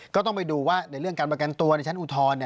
ก็ต้องไปดูว่าในเรื่องการประกันตัวในชั้นอุทธรณ์